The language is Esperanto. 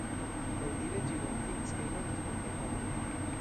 Laŭdire ĝi mortigis kaj manĝis multajn homojn.